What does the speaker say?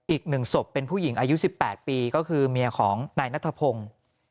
อีก๑ศพเป็นผู้หญิงอายุ๑๘ปีก็คือเมียของนายนัทพงศ์